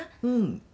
うん。